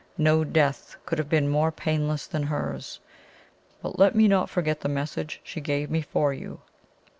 No death could have been more painless than hers. But let me not forget the message she gave me for you."